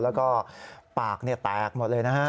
แล้วก็ปากแตกหมดเลยนะฮะ